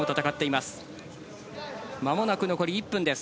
まもなく残り１分です。